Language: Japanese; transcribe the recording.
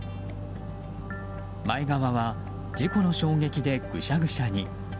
前側は事故の衝撃でぐしゃぐしゃに。